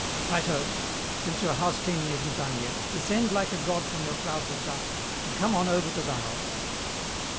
"Righto! since your housecleaning isn't done yet, descend like a god from your clouds of dust, and come on over to the house."